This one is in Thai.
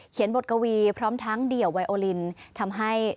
เขียนบทกวีพร้อมทั้งเดียวไวโอลินทำให้มีการแชร์ไปในสังคมออนไลน์เป็นจำนวนมากค่ะ